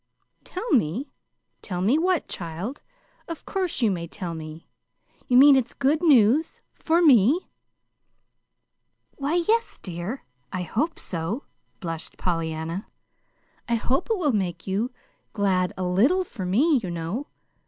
"Tell me? Tell me what, child? Of course you may tell me. You mean, it's good news for ME?" "Why, yes, dear; I hope so," blushed Pollyanna. "I hope it will make you GLAD, a little, for me, you know.